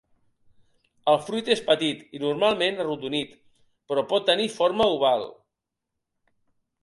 El fruit és petit i normalment arrodonit però pot tenir forma oval.